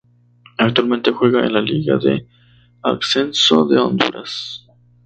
Actualmente juega en la Liga de Ascenso de Honduras.